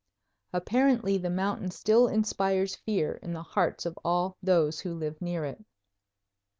Apparently the mountain still inspires fear in the hearts of all those who live near it.